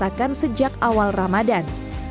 yang sudah dirasakan sejak awal ramadan